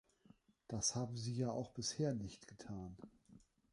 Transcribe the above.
Das haben sie ja auch bisher nicht getan.